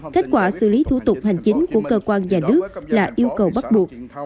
kết quả xử lý thủ tục hành chính của cơ quan nhà nước là yêu cầu bắt buộc